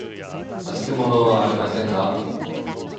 忘れ物はありませんか。